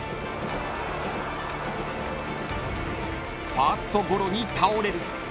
［ファーストゴロに倒れる］